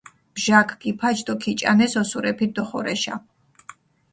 ბჟაქ გიფაჩ დო ქიჭანეს ოსურეფი დოხორეშა.